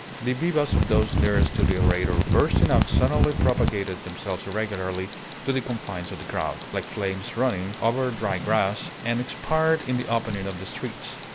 The vivas of those nearest to the orator bursting out suddenly propagated themselves irregularly to the confines of the crowd, like flames running over dry grass, and expired in the opening of the streets.